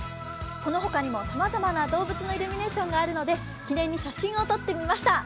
このほかにもさまざまな動物のイルミネーションがありますので記念に写真を撮ってみました。